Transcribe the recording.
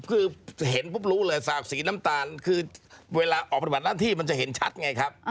คือเห็นปุ๊บรู้เลยสากสีน้ำตาลคือเวลาออกปฏิบัติหน้าที่มันจะเห็นชัดไงครับ